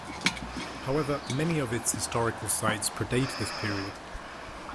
However, many of its historical sites predate this period.